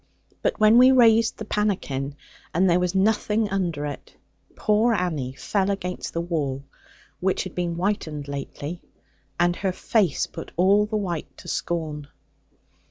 But when we raised the pannikin, and there was nothing under it, poor Annie fell against the wall, which had been whitened lately; and her face put all the white to scorn.